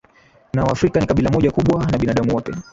na Waafrika ni kabila moja kubwa na binadamu wote